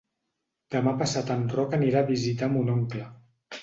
Demà passat en Roc anirà a visitar mon oncle.